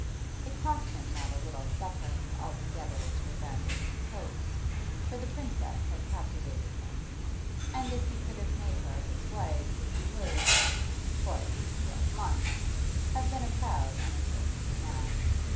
It cost him not a little suffering altogether to abandon his hopes, for the Princess had captivated him, and if he could have made her his wife he would for at least twelve months have been a proud and exultant man.